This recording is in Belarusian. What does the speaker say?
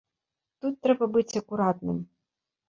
Тут трэба быць акуратным.